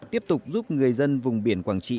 tiếp tục giúp người dân vùng biển quảng trị